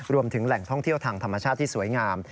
รวมถึงแหล่งท่องเที่ยวทางธรรมชาติที่สวยงาม